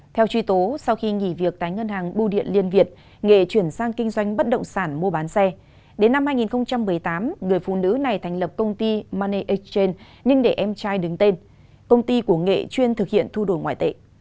theo truy tố sau khi nghỉ việc tại ngân hàng bưu điện liên việt nghề chuyển sang kinh doanh bất động sản mua bán xe đến năm hai nghìn một mươi tám người phụ nữ này thành lập công ty mane achen nhưng để em trai đứng tên công ty của nghệ chuyên thực hiện thu đổi ngoại tệ